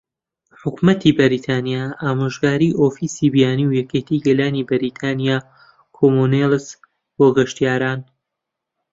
حکومەتی بەریتانیا، - ئامۆژگاری ئۆفیسی بیانی و یەکێتی گەلانی بەریتانیا کۆمونیڵس بۆ گەشتیاران